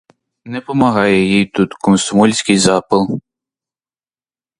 Не помагає їй тут комсомольський запал.